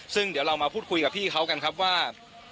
ซึ่งเดี๋ยวเรามาพูดคุยกับพี่เขากันครับว่า